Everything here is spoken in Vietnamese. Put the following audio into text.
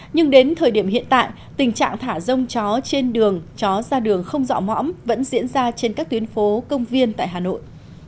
nhưng đến thời điểm hiện tại tình trạng thả rông chó trên đường chó ra đường không dọa mõm vẫn diễn ra trên các tuyến phố công viên tại hà nội